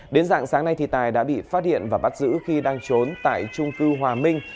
đến dạng sáng nay tài đã bị phát hiện và bắt giữ khi đang trốn tại trung cư hòa minh